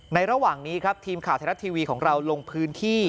ระหว่างนี้ครับทีมข่าวไทยรัฐทีวีของเราลงพื้นที่